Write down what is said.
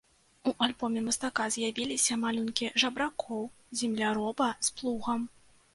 У альбоме мастака з'явіліся малюнкі жабракоў, земляроба з плугам.